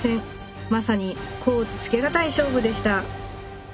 まさに甲乙つけがたい勝負でした！